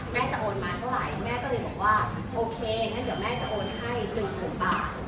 แม่จะโอนมาเท่าไหร่แม่ก็เลยบอกว่าโอเคงั้นเดี๋ยวแม่จะโอนให้๑๐๐๐บาท